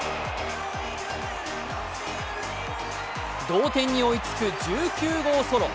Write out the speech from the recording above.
同点に追いつく１９号ソロ。